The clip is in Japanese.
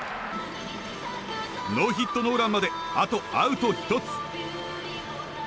ノーヒットノーランまであとアウト１つ。